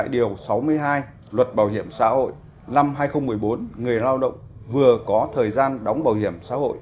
điều sáu mươi hai luật bảo hiểm xã hội năm hai nghìn một mươi bốn người lao động vừa có thời gian đóng bảo hiểm xã hội